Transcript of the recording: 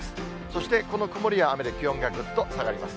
そして、この曇りや雨で気温がぐっと下がります。